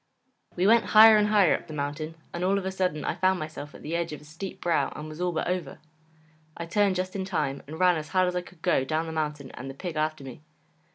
We went higher and higher up the mountain, and all of a sudden I found myself at the edge of a steep brow and was all but over. I turned just in time, and ran as hard as I could go down the mountain and the pig after me.